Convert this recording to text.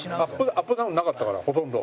アップダウンなかったからほとんど。